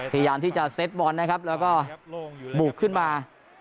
พยายามที่จะเซ็ตบอลนะครับแล้วก็บุกขึ้นมา